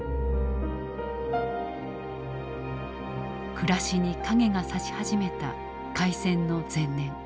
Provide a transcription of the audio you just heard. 暮らしに影が差し始めた開戦の前年。